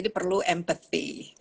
jadi perlu empati